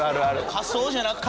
「仮想」じゃなくて？